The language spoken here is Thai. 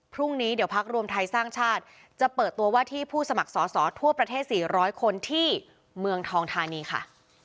พรุ่งนี้เดี๋ยวพักรวมไทยสร้างชาติจะเปิดตัวว่าที่ผู้สมัครสอสอทั่วประเทศ๔๐๐คนที่เมืองทองธานีค่ะ